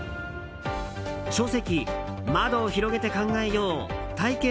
書籍「窓をひろげて考えよう体験！